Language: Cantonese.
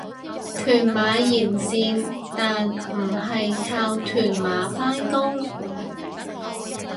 屯馬沿線但唔係靠屯馬返工